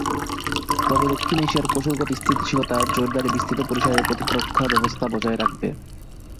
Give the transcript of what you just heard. তবে দক্ষিণ এশিয়ায় কৌশলগত স্থিতিশীলতা জোরদারে বিস্তৃত পরিসরের প্রতিরক্ষাব্যবস্থা বজায় রাখবে।